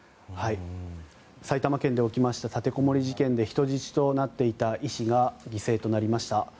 埼玉県で起きました立てこもり事件で人質となっていた医師が犠牲となりました。